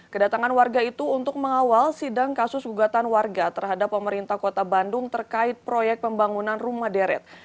kedatangan warga itu untuk mengawal sidang kasus gugatan warga terhadap pemerintah kota bandung terkait proyek pembangunan rumah deret